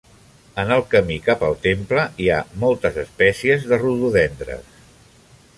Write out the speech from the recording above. En el camí cap al temple hi ha moltes espècies de rododendres.